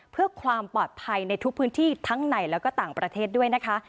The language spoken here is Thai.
เพื่อความปลอดภัยในทุกพื้นที่ทั้งในแล้วก็ต่างประเทศด้วยนะคะ